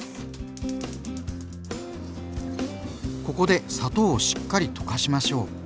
ここで砂糖をしっかり溶かしましょう。